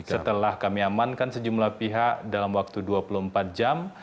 setelah kami amankan sejumlah pihak dalam waktu dua puluh empat jam